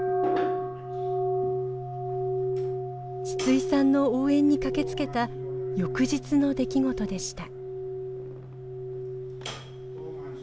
シツイさんの応援に駆けつけた翌日の出来事でした。